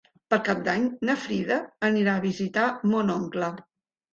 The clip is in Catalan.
Per Cap d'Any na Frida anirà a visitar mon oncle.